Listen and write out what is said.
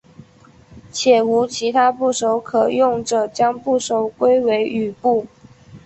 且无其他部首可用者将部首归为羽部。